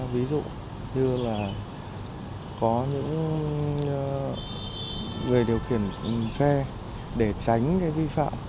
ví dụ như là có những người điều khiển xe để tránh cái vi phạm